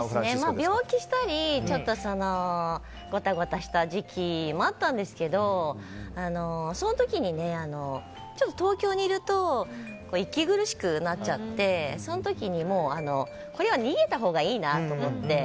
病気したり、ごたごたした時期もあったんですけどその時に東京にいると息苦しくなっちゃってその時にもうこれは逃げたほうがいいなと思って。